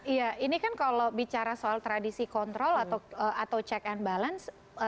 iya ini kan kalau bicara soal tradisi kontrol atau check and balance